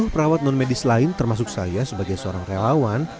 dua puluh perawat non medis lain termasuk saya sebagai seorang relawan